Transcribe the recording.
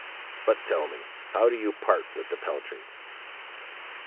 But, tell me; how do you part with the peltry?"